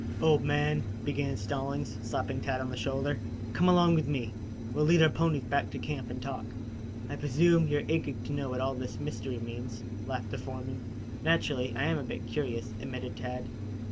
"Old man," began Stallings, slapping Tad on the shoulder, "come along with me. We'll lead our ponies back to camp and talk. I presume you are aching to know what all this mystery means?" laughed the foreman. "Naturally, I am a bit curious," admitted Tad.